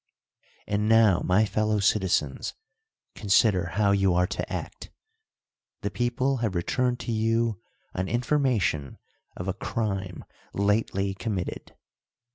And now, my fellow citizens, consider how you are to act. The people have returned to you an information of a crime lately committed.